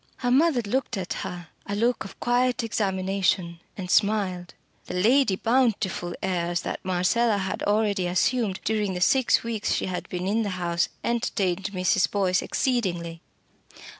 Her mother looked at her a look of quiet examination and smiled. The Lady Bountiful airs that Marcella had already assumed during the six weeks she had been in the house entertained Mrs. Boyce exceedingly.